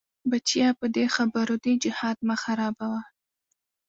بچيه په دې خبرو دې جهاد مه خرابوه.